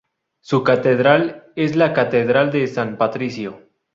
Su catedral es la catedral de San Patricio.